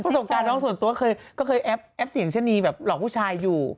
สงการน้องส่วนตัวเคยก็เคยแอปเสียงชะนีแบบหลอกผู้ชายอยู่